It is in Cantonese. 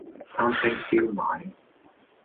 三星燒賣